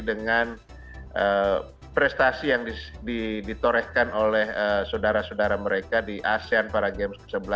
dengan prestasi yang ditorehkan oleh saudara saudara mereka di asean para games ke sebelas